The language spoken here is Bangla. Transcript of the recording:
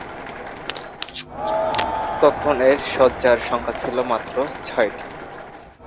তখন এর শয্যার সংখ্যা ছিল মাত্র ছয়টি।